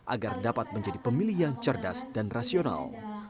agar dapat menjadi pemilih yang cerdas dan rasional